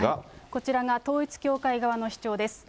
こちらが統一教会側の主張です。